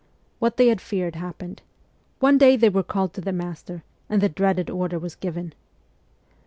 What they had feared happened : one day they were called to the master, and the dreaded order was given.